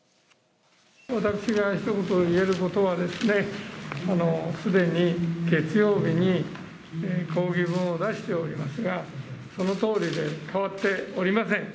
私がひと言言えることはですね、すでに月曜日に抗議文を出しておりますが、そのとおりで変わっておりません。